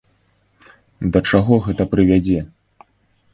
Да чаго гэта прывядзе?